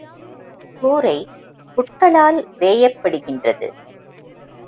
கூரை புற்களால் வேயப்படுகின்றது.